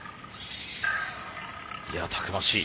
いやたくましい。